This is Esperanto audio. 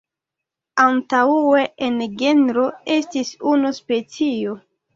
Antaŭe en genro estis unu specio.